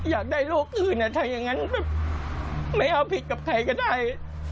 อยากได้ลูกอื่นอ่ะถ้ายังงั้นไม่เอาผิดกับใครก็ได้